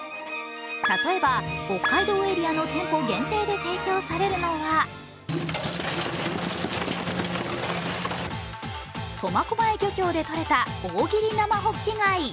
例えば北海道エリアの店舗限定で提供されるのは苫小牧漁協でとれた大切り生ほっき貝。